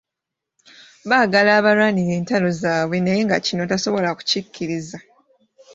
Baagala abalwanire entalo zaabwe naye nga kino tasobola kukikkiriza.